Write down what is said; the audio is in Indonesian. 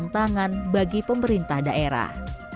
tentangan bagi pemerintah daerah